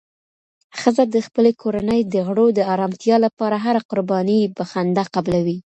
ښځه د خپلې کورنۍ د غړو د ارامتیا لپاره هره قرباني په خندا قبلوي